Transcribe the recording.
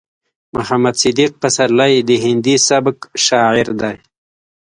محمد صديق پسرلی د هندي سبک شاعر دی.